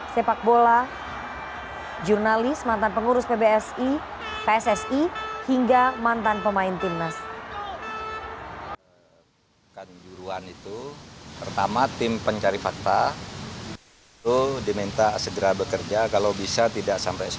sepak bola jurnalis mantan pengurus pbsi pssi hingga mantan pemain timnas